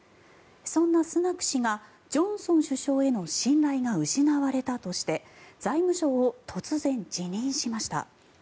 そんなスナク氏がジョンソン首相への信頼が失われたとして財務相を突然、辞任しました。